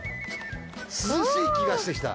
涼しい気がしてきた。